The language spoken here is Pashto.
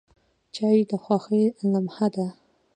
چای د خوښۍ لمحه ده.